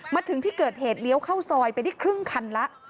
มาถึงที่เกิดเหตุเลี้ยวเข้าซอยไปได้ครึ่งคันแล้ว